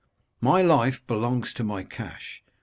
My life belongs to my cash.